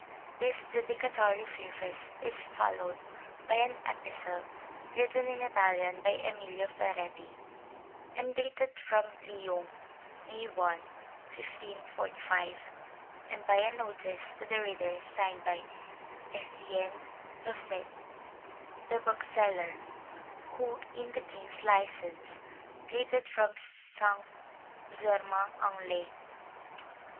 This dedicatory preface is followed by an epistle, written in Italian by Emilio Ferretti, and dated from Lyons, May I, 1545; and by a notice to the reader signed by Etienne Rosset, the bookseller, who in the King's license, dated from St. Germain en Laye, Nov.